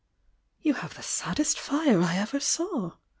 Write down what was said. "You have the saddest fire I ever saw!"